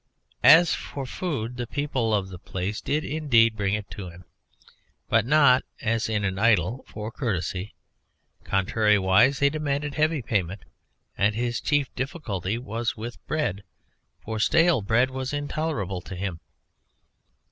As for food, the people of the place did indeed bring it to him, but not, as in an idyll, for courtesy; contrariwise, they demanded heavy payment, and his chief difficulty was with bread; for stale bread was intolerable to him.